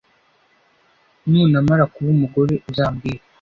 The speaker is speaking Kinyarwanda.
Nunamara kuba umugore uzambwire